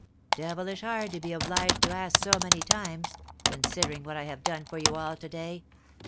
Devilish hard to be obliged to ask so many times, considering what I have done for you all to day!